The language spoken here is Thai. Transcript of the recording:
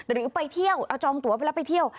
หรือไปเที่ยวเอาจองตัวไปแล้วไปเที่ยว